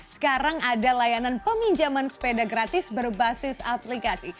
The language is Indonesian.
sekarang ada layanan peminjaman sepeda gratis berbasis aplikasi